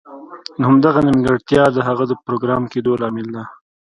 همدغه نیمګړتیا د هغه د پروګرامر کیدو لامل ده